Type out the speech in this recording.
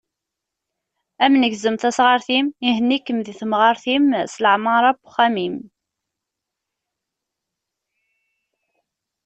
Ad am-negzem tasɣart-im, ihenni-kem deg temɣart-im, s leɛmara n uxxam-im.